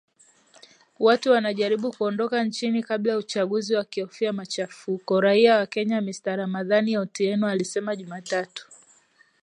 "Watu wanajaribu kuondoka nchini kabla ya uchaguzi wakiofia machafuko,” raia wa Kenya Mr Ramadan Otieno alisema Jumatatu